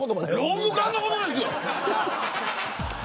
ロング缶のことですよ。